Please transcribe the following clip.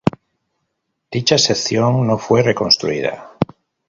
Dicha sección no fue reconstruida.